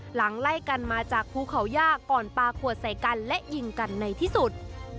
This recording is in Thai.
หลังไล่กันมาจากภูเขาย่าก่อนปลาขวดใส่กันและยิงกันในที่สุด